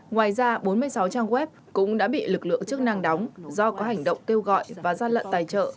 ngoài ra bốn mươi sáu trang web cũng đã bị lực lượng chức năng đóng do có hành động kêu gọi và gian lận tài trợ